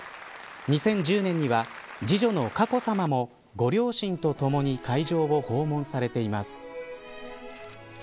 そして、２０１０年には次女の佳子さまもご両親とともに会場を訪問されています。